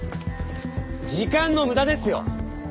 時間の無駄ですよ！